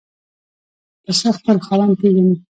پسه خپل خاوند پېژني.